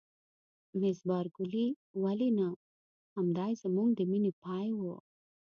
مس بارکلي: ولې نه؟ همدای زموږ د مینې پای و.